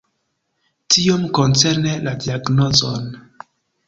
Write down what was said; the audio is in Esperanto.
Tiom koncerne la diagnozon.